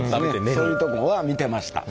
そういうところは見てました。